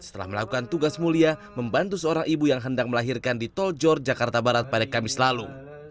setelah melakukan tugas mulia membantu seorang ibu yang hendak melahirkan di tol jor jakarta barat pada kamis lalu